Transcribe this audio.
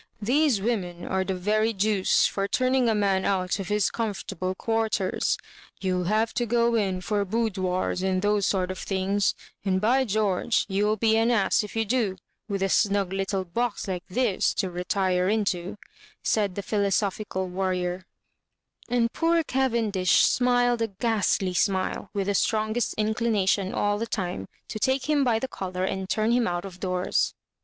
These women are the very deuce for turning a man out of his comfortable quartera You'll have to go in for boudoirs and those sort of things; and, by George I youllbeanassifyou do, with a snug little box like this to retire into," said the philosophical warrior ; and poor Caven dish smiled a ghastly smile, with the strongest inclination all the time to take him by the collar and turn him out of doors.